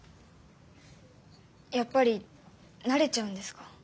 やっぱり慣れちゃうんですか？